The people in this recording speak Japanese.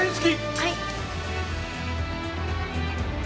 はい！